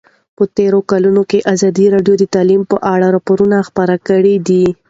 په تېرو کلونو کې ازادي راډیو د تعلیم په اړه راپورونه خپاره کړي دي.